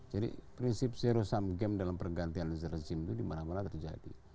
jadi prinsip zero sum game dalam pergantian regime itu dimana mana terjadi